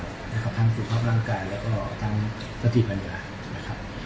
ต้องมีความภาคทั้งสุภาพร่างกายและก็ตั้งสถิบัญญา